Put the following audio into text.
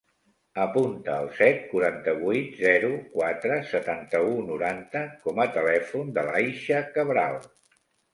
Apunta el set, quaranta-vuit, zero, quatre, setanta-u, noranta com a telèfon de l'Aixa Cabral.